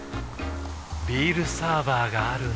ビールサーバーがある夏。